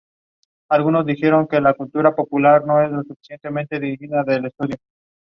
Gent on a "performance-based" contract.